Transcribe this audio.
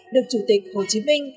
được chủ tịch hồ chí minh